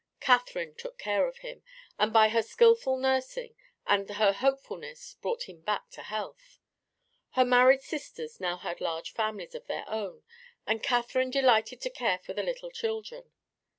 Catherine took care of him, and by her skilful nursing and her hopefulness brought him back to health. Her married sisters now had large families of their own, and Catherine delighted to care for the little children.